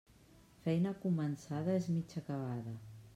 Feina començada, és mig acabada.